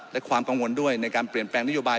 และความกังวลด้วยในการเปลี่ยนแปลงนโยบาย